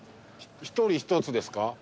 一人一つですか？